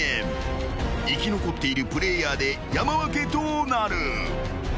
［生き残っているプレイヤーで山分けとなる］